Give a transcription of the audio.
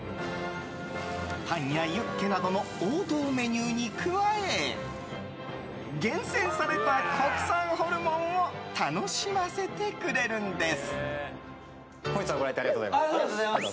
タンやユッケなどの王道メニューに加え厳選された国産ホルモンを楽しませてくれるんです。